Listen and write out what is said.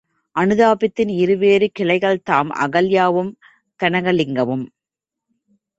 அனுதாபத்தின் இருவேறு கிளைகள்தாம் அகல்யாவும் கனகலிங்கமும்.